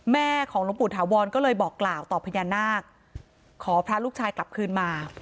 แม่ของหลวงปู่ถาวรก็เลยบอกกล่าวต่อพญานาคขอพระลูกชายกลับคืนมา